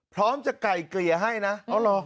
พร้อมจะไก่เกลี่ยให้นะอ๋อเหรอ